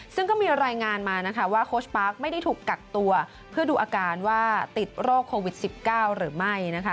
ซึ่งก็มีรายงานมานะคะว่าโค้ชปาร์คไม่ได้ถูกกักตัวเพื่อดูอาการว่าติดโรคโควิด๑๙หรือไม่นะคะ